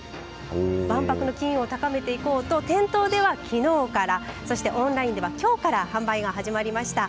万博の機運を高めていこうと店頭では、きのうからそしてオンラインではきょうから販売が始まりました。